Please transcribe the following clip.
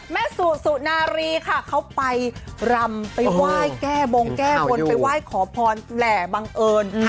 แม่สู่สุนารีค่ะเขาไปรำไปไหว้แก้บงแก้บนไปไหว้ขอพรแหล่บังเอิญ